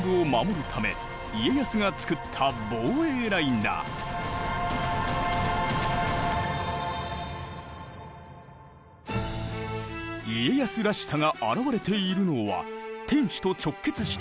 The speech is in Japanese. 家康らしさが表れているのは天守と直結しているこの橋。